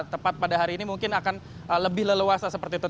tepat pada hari ini mungkin akan lebih leluasa seperti itu